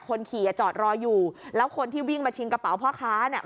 คนขี่อ่ะจอดรออยู่แล้วคนที่วิ่งมาชิงกระเป๋าพ่อค้าเนี่ย